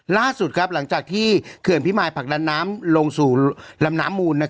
ล่าสุดหลังจากที่เขื่อนพิมายผลักดันน้ำลงสู่ลำน้ำมูล